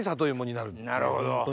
なるほど！